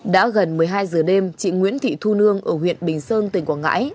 đã gần một mươi hai giờ đêm chị nguyễn thị thu nương ở huyện bình sơn tỉnh quảng ngãi